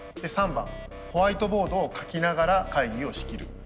３番ホワイトボードを書きながら会議を仕切る。